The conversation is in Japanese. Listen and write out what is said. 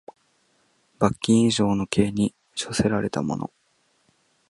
罰金以上の刑に処せられた者